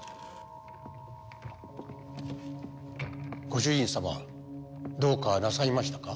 ご主人様どうかなさいましたか？